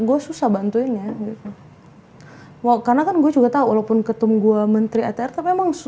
gue susah bantuinnya mau karena kan gue juga tahu walaupun ketum gue menteri atr tapi emang